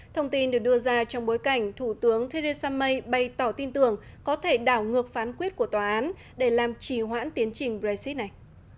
thông tin được đưa ra trong bối cảnh thủ tướng theresa may bày tỏ tin tưởng có thể đảo ngược phán quyết của tòa án để làm trì hoãn tiến trình brexit này